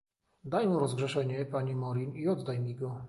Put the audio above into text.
"Daj mu rozgrzeszenie, panie Morin, i oddaj mi go."